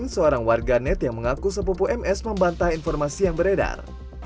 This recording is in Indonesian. seorang warganet yang mengaku sepupu ms membantah informasi yang beredar